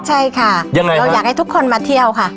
ใช่ค่ะยังไงเราอยากให้ทุกคนมาเที่ยวค่ะ